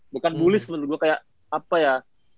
bukan bullis menurut gue kayak apa ya